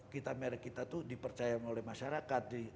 kita merek kita itu dipercaya oleh masyarakat